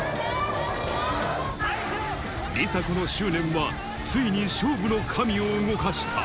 梨紗子の執念はついに勝負の神を動かした。